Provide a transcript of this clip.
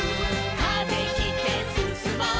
「風切ってすすもう」